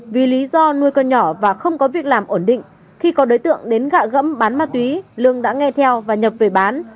vì lý do nuôi con nhỏ và không có việc làm ổn định khi có đối tượng đến gạ gẫm bán ma túy lương đã nghe theo và nhập về bán